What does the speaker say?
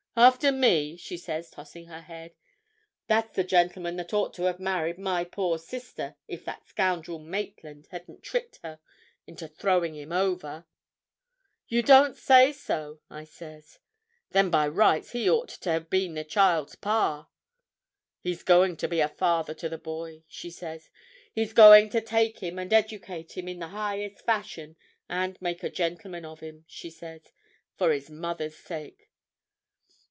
'After me!' she says, tossing her head: 'That's the gentleman that ought to have married my poor sister if that scoundrel Maitland hadn't tricked her into throwing him over!' 'You don't say so!' I says. 'Then by rights he ought to have been the child's pa!' 'He's going to be a father to the boy,' she says. 'He's going to take him and educate him in the highest fashion, and make a gentleman of him,' she says, 'for his mother's sake.